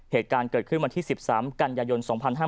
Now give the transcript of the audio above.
เหตุการณ์เกิดขึ้นวันที่๑๓กันยายน๒๕๕๙